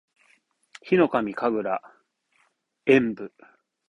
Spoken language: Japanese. ヒノカミ神楽炎舞（ひのかみかぐらえんぶ）